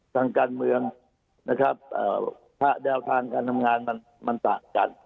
ทางการเมืองนะครับแนวทางการทำงานมันต่างกัน